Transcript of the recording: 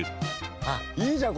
あっいいじゃん！